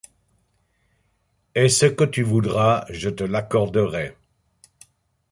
Et ce que tu voudras, je te l’accorderai.